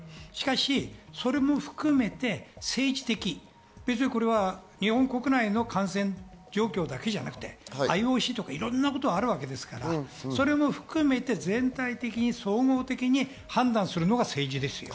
しかしそれも含めて政治的、別にこれは日本国内の感染状況だけじゃなくて、いろんなことがあるわけですから、それも含めて、全体的に総合的に判断するのが政治ですよ。